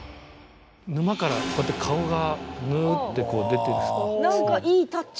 沼からこうやって顔がぬってこう出てきて。